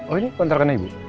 oh ini kontrakannya ibu